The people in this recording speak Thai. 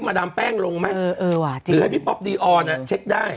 มาดามแป้งลงไหมเออเออว่าจริงหรือให้พี่ป๊อปดีออนอ่ะเช็คได้